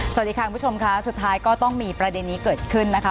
สวัสดีค่ะคุณผู้ชมค่ะสุดท้ายก็ต้องมีประเด็นนี้เกิดขึ้นนะคะ